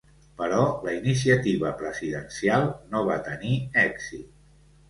Però la iniciativa presidencial no va tenir èxit.